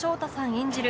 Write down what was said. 演じる